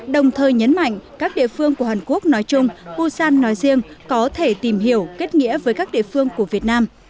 đồng thời nhấn mạnh các địa phương của hàn quốc nói chung busan nói riêng có thể tìm hiểu kết nghĩa với các địa phương của việt nam